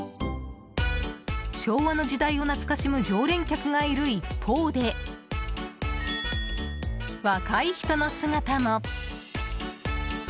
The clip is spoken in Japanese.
昭和の時代を懐かしむ常連客がいる一方で若い人の姿も。